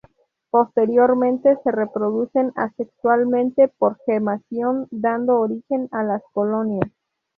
Posteriormente se reproducen asexualmente por gemación, dando origen a las colonias.